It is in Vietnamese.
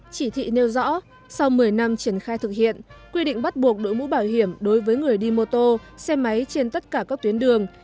chỉ thị nêu rõ sau một mươi năm triển khai thực hiện quy định bắt buộc đội mũ bảo hiểm đối với người đi mô tô xe máy trên tất cả các tuyến đường